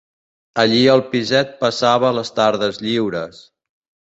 Allí al piset passava les tardes lliures